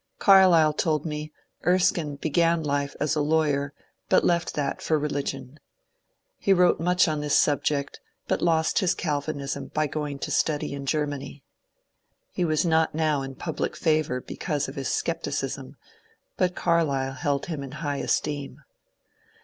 Carlyle told me Erskine began life as a lawyer but left that for religion. He wrote much on this subject but lost his Cal vinism by going to study in Germany. He was now not in public favour because of his scepticism, but Carlyle held him in high esteem.